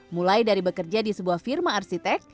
mulai dari bekerja di sebuah firma arsitek